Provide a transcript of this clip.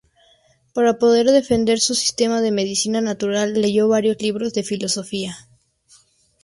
Para poder defender su sistema de medicina natural, leyó varios libros de filosofía.